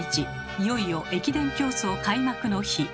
いよいよ「駅伝競走」開幕の日。